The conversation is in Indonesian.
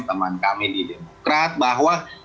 teman kami di demokrat bahwa